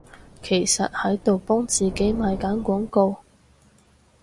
其實喺度幫自己賣緊廣告？